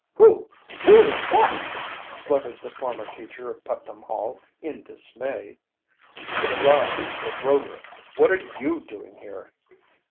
"Who who is that?" spluttered the former teacher of Putnam Hall, in dismay. "It is I Dick Rover. What are you doing here?"